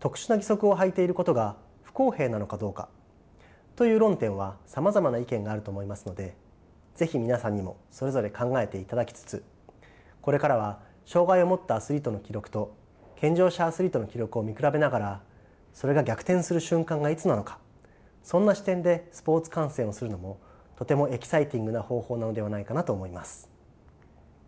特殊な義足をはいていることが不公平なのかどうかという論点はさまざまな意見があると思いますので是非皆さんにもそれぞれ考えていただきつつこれからは障害を持ったアスリートの記録と健常者アスリートの記録を見比べながらそれが逆転する瞬間がいつなのかそんな視点でスポーツ観戦をするのもとてもエキサイティングな方法なのではないかなと思います。